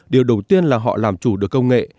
điều đầu tiên là họ làm chủ được công nghệ